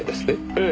ええ。